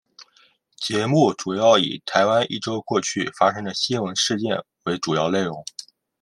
节目主要以台湾一周过去发生的新闻事件为主要内容。